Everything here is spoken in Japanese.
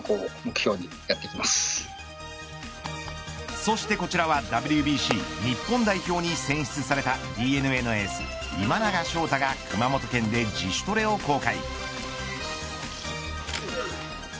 そしてこちらはＷＢＣ日本代表に選出されたＤｅＮＡのエース、今永昇太が熊本県で自主トレを公開。